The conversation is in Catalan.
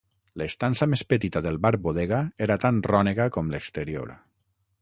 L'estança més petita del bar-bodega era tan rònega com l'exterior.